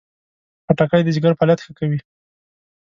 خټکی د ځیګر فعالیت ښه کوي.